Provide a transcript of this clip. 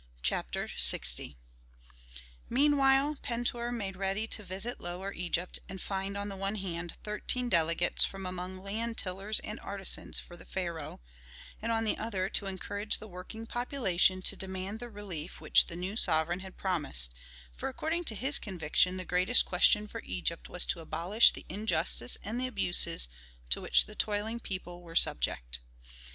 CHAPTER LX Meanwhile Pentuer made ready to revisit Lower Egypt and find on the one hand thirteen delegates from among land tillers and artisans for the pharaoh, and on the other to encourage the working population to demand the relief which the new sovereign had promised, for according to his conviction the greatest question for Egypt was to abolish the injustice and the abuses to which the toiling people were subject.